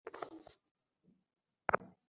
এক সফরে এক কাফেলার সাথে তাঁর সাক্ষাৎ হল।